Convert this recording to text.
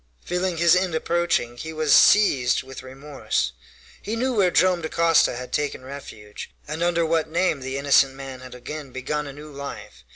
Feeling his end approaching, he was seized with remorse. He knew where Joam Dacosta had taken refuge, and under what name the innocent man had again begun a new life.